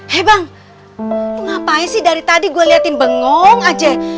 hey bang ngapain sih dari tadi gue liatin bengong aja